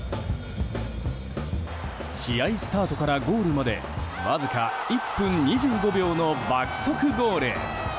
試合スタートからゴールまでわずか１分２５秒の爆速ゴール。